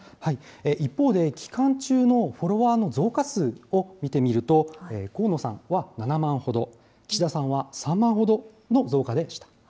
一方で、期間中のフォロワーの増加数を見てみると、河野さんは７万ほど、岸田さんは３万ほどの増加でした。